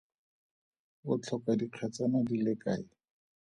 O tlhoka dikgetsana di le kae?